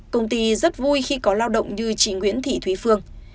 công ty rất vui khi có lao động như chị nguyễn thị thúy phương